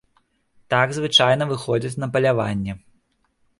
Так звычайна выходзяць на паляванне.